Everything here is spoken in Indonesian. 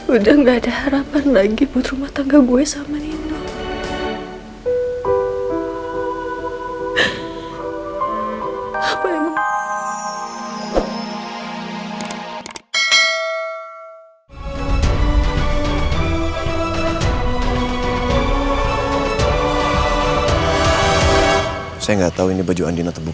udah gak ada harapan lagi buat rumah tangga gue sama nino